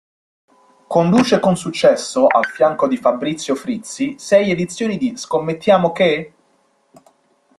Conduce con successo, al fianco di Fabrizio Frizzi, sei edizioni di "Scommettiamo che...?